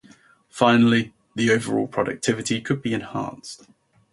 Finally, the overall productivity could be enhanced.